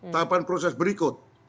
tahapan proses berikut